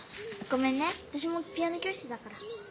ごめんね私もピアノ教室だから。